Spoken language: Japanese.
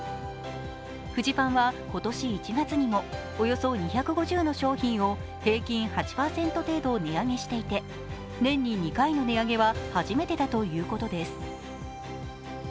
フジパンは今年１月にもおよそ２５０の商品を平均８％程度値上げしていて年に２回の値上げは初めてだということです。